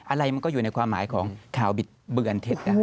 อะไรมันก็อยู่ในความหมายของข่าวบิดเบือนเท็จนะ